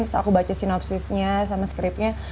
terus aku baca sinopsisnya sama scripnya